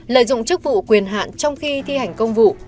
lợi dụng chức vụ quyền hạn trong khi thi hành công vụ